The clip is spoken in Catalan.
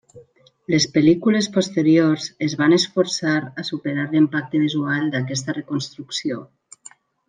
Les pel·lícules posteriors es van esforçar a superar l'impacte visual d'aquesta reconstrucció.